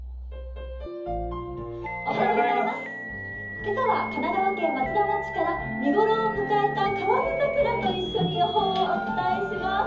今朝は神奈川県松田町から見頃を迎えた河津桜と一緒に予報をお伝えします。